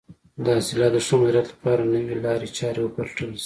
د حاصلاتو د ښه مدیریت لپاره نوې لارې چارې وپلټل شي.